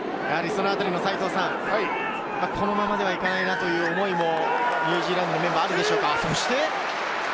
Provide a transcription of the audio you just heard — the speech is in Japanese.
このままではいけないな、という思いがニュージーランドメンバーにあるでしょうか。